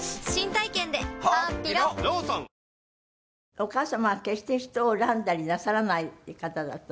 お母様は決して人を恨んだりなさらない方だったんですって？